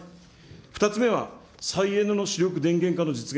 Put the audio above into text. ２つ目は再エネの主力電源化の実現。